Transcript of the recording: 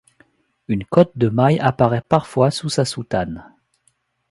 Une cotte de mailles apparaît parfois sous sa soutane.